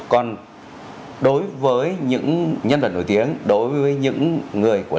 còn đối với những nhân vật nổi tiếng đối với những người của